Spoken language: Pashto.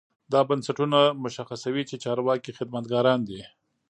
دا بنسټونه مشخصوي چې چارواکي خدمتګاران دي.